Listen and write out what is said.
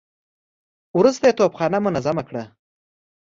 وروسته يې توپخانه منظمه کړه.